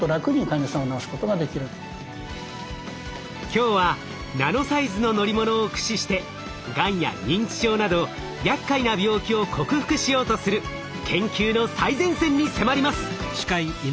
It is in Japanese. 今日はナノサイズの乗り物を駆使してがんや認知症などやっかいな病気を克服しようとする研究の最前線に迫ります！